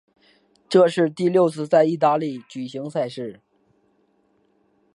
这是第六次在意大利举行赛事。